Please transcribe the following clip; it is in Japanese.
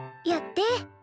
やって。